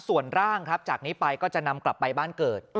ส่วนร่างครับจากนี้ไปก็จะนำกลับไปบ้านเกิด